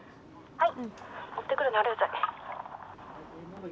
はい。